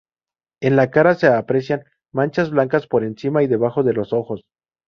En la cara se aprecian manchas blancas por encima y debajo de los ojos.